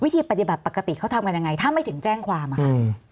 ทีปฏิบัติปกติเขาทำกันยังไงถ้าไม่ถึงแจ้งความอะค่ะ